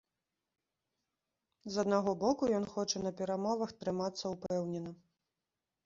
З аднаго боку, ён хоча на перамовах трымацца ўпэўнена.